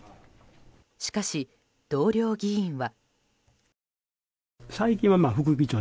しかし、同僚議員は。